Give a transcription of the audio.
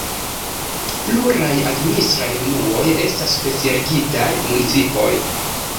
Pluraj administraj unuoj estas specialigitaj municipoj.